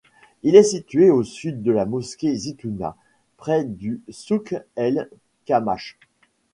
Il est situé au sud de la mosquée Zitouna, près du souk El Kmach.